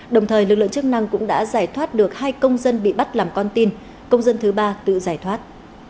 đồng thời lực lượng chức năng cũng đã giải thoát được hai công dân bị bắt làm con tin công dân thứ ba tự giải thoát